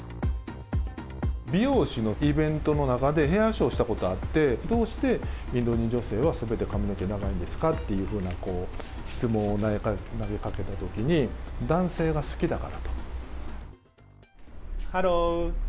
美容師のイベントの中でヘアショーしたことあって、どうしてインド人女性はすべて髪の毛長いんですかっていうふうな質問を投げかけたときに、男性が好きだからと。